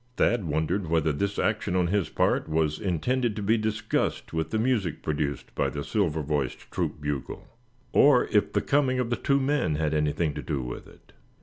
Thad wondered whether this action on his part was intended to be disgust with the music produced by the silver voiced troop bugle; or if the coming of the two men had anything to do with it.